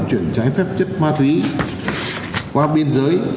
truyền trái phép chất ma túy qua biên giới